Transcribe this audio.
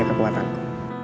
dia punya kekuatanku